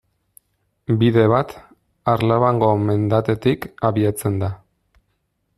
Bide bat, Arlabango mendatetik abiatzen da.